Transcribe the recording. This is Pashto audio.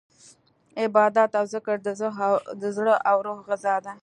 عبادت او ذکر د زړه او روح غذا ده.